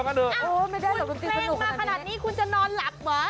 คุณแรงมาขนาดนี้คุณจะนอนหลับเหรอ